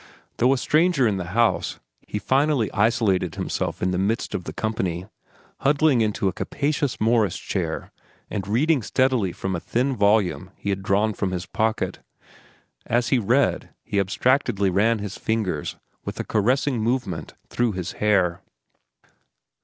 Though a stranger in the house he finally isolated himself in the midst of the company, huddling into a capacious Morris chair and reading steadily from a thin volume he had drawn from his pocket. As he read, he abstractedly ran his fingers, with a caressing movement, through his hair.